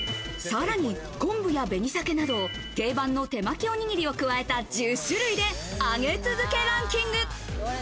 さらに昆布や紅鮭など定番の手巻おにぎりを加えた１０種類で上げ続けランキング。